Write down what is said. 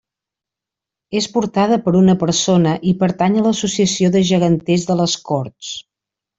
És portada per una persona i pertany a l’Associació de Geganters de les Corts.